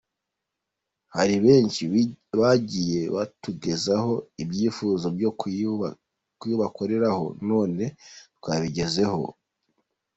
Hari benshi bagiye batugezaho ibyifuzo byo kuyibakorera none twabigezeho.